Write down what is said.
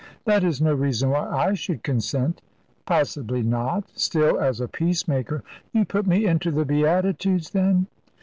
"That is no reason why I should consent." "Possibly not. Still, as a peacemaker " "You put me into the Beatitudes, then?"